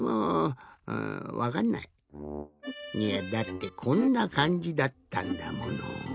いやだってこんなかんじだったんだもの。